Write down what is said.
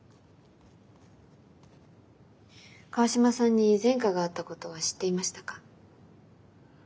川島さんに前科があったことは知っていましたか？